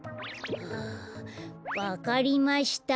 はあ「わかりました」